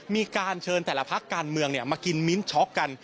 มีการเชิญแต่ละพักการเมืองมากินมิ้นช็อกกัน